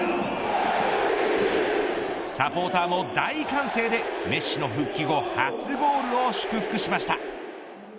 サポーターも大歓声でメッシの復帰後初ゴールを祝福しました。